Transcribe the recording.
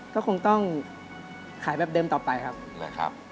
ก็คงต้องขายแบบเดิมต่อไปครับนี่แหละครับ